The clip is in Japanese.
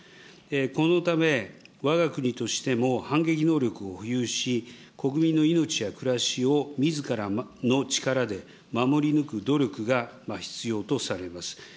このため、わが国としても反撃能力を保有し、国民の命や暮らしをみずからの力で守り抜く努力が必要とされます。